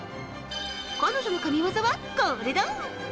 彼女の神技は、これだ！